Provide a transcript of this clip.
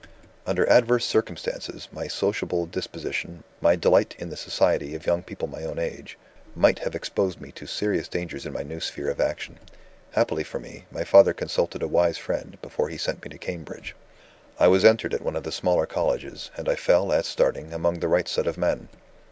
"Under adverse circumstances, my sociable disposition, my delight in the society of young people of my own age, might have exposed me to serious dangers in my new sphere of action. Happily for me, my father consulted a wise friend, before he sent me to Cambridge. I was entered at one of the smaller colleges; and I fell, at starting, among the right set of men.